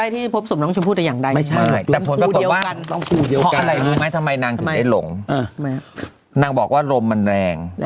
ทำไมนางถึงได้หลงอือไม่ลงนางบอกว่าร้มมันแรงก็